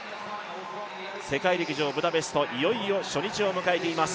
世界陸上ブダペストいよいよ初日を迎えています。